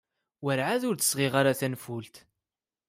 Werɛad ur d-sɣiɣ ara tanfult.